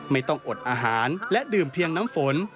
ไม่ต้องอดอาหารและดื่มเพียงน้ำฝน